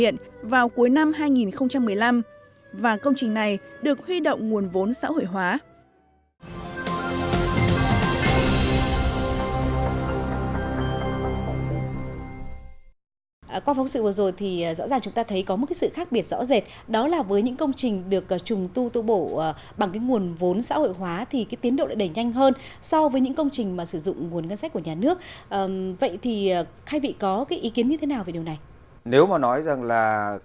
nguồn vốn đã được hoàn thiện vào cuối năm hai nghìn một mươi năm và công trình này được huy động nguồn vốn xã hội hóa